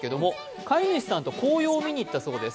飼い主さんと紅葉を見に行ったそうです。